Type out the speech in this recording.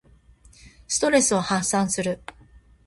ストレスを発散する。